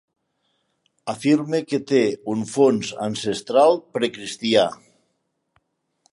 Afirme que té un fons ancestral precristià.